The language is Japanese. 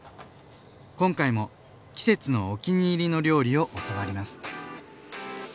今回も季節のお気に入りの料理を教わります。